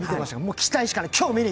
期待しかない。